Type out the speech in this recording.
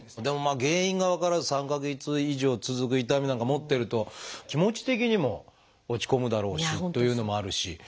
でも原因が分からず３か月以上続く痛みなんか持ってると気持ち的にも落ち込むだろうしというのもあるし。